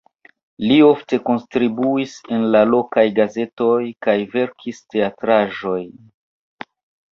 Li ofte kontribuis en la lokaj gazetoj kaj verkis teatraĵojn.